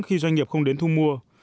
khi doanh nghiệp không đến thu mua